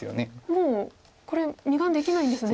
もうこれ２眼できないんですね。